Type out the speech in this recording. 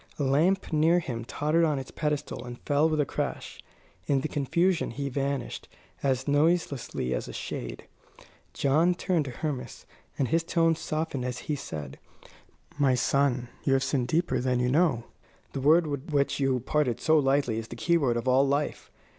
A lamp near him tottered on its pedestal and fell with a crash. In the confusion he vanished, as noiselessly as a shade. John turned to Hermas, and his tone softened as he said: "My son, you have sinned deeper than you know. The word with which you parted so lightly is the keyword of all life.